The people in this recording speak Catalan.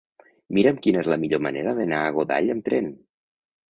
Mira'm quina és la millor manera d'anar a Godall amb tren.